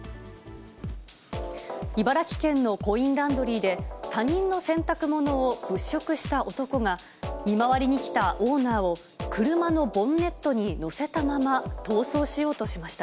茨城県のコインランドリーで、他人の洗濯物を物色した男が、見回りに来たオーナーを、車のボンネットに乗せたまま逃走しようとしました。